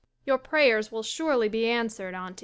SYDNEY Your prayers will surely be answered, auntie.